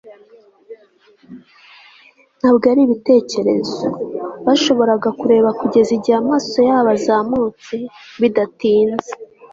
ntabwo ari ibitekerezo. bashoboraga kureba kugeza igihe amaso yabo azamutse. bidatinze